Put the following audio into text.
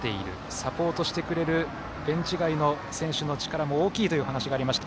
サポートしてくれるベンチ外の選手の力も大きいという話がありました。